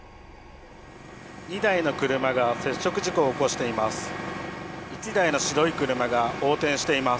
２台の車が接触事故を起こしています。